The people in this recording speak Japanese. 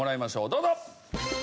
どうぞ！